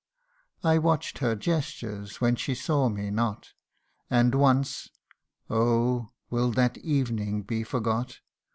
I watch'd her gestures when she saw me not, And once (oh ! will that evening be forgot?)